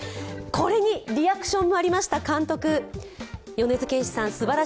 これにリアクションもありました、監督。